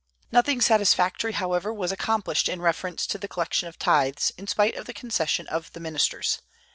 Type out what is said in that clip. Nothing satisfactory, however, was accomplished in reference to the collection of tithes, in spite of the concession of the ministers.